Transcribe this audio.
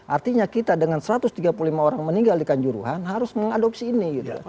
artinya kita dengan satu ratus tiga puluh lima orang meninggal di kanjuruhan harus mengadopsi ini